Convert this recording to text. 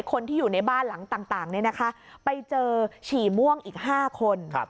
คนที่อยู่ในบ้านหลังต่างไปเจอฉี่ม่วงอีก๕คน